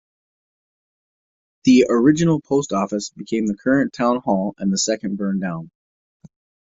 The original post office became the current town hall, and the second burned down.